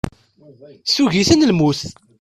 Tugi-ten lmut.